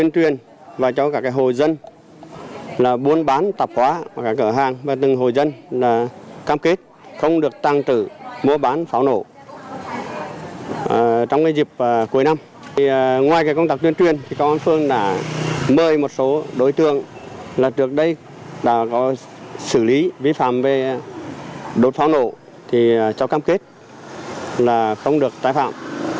trong dịp cuối năm ngoài công tác tuyên truyền công an phương đã mời một số đối tượng là trước đây đã có xử lý vi phạm về đốt pháo nổ cho cam kết là không được tái phạm